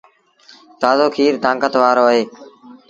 تآزو کير تآݩڪت وآرو اهي۔